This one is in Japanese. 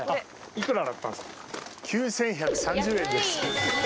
９，１３０円です。